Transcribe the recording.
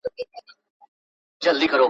او یو موټی کولو لپاره `